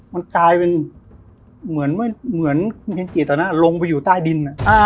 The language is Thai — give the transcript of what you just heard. มันกลายเป็นเหมือนคุณเฮงกิตตอนนั้นลงไปอยู่ใต้ดิน